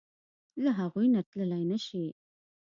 له هغوی نه تللی نشې.